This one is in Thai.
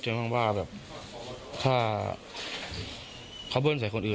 แต่ไม่ได้ว่าเอาหน้าเขาไปทิ้มกับท่อนะครับ